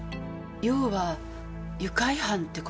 要は愉快犯って事？